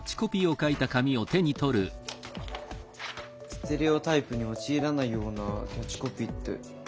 ステレオタイプに陥らないようなキャッチコピーって何だろう？